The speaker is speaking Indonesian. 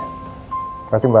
terima kasih mbak